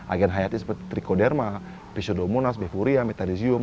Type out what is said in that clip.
agen hayati seperti trichoderma pisiodomonas bevuria metadizium